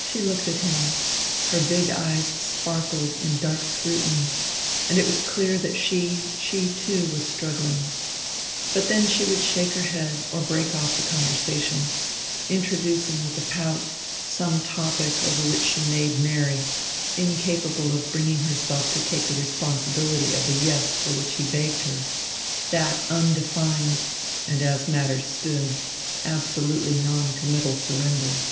She looked at him, her big eyes sparkled in dark scrutiny, and it was clear that she, she too, was struggling. But then she would shake her head or break off the conversation, introducing with a pout some topic over which she made merry, incapable of bringing herself to take the responsibility of the "Yes" for which he begged her, that undefined and, as matters stood, absolutely non committal surrender.